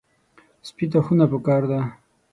سپي ته خونه پکار ده.